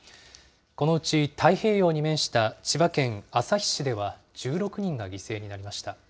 このうち太平洋に面した千葉県旭市では１６人が犠牲になりました。